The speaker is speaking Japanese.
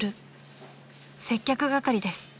［接客係です］